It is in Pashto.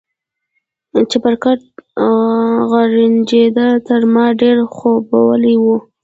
چپرکټ غرنجېده، تر ما ډېر خوبولی و.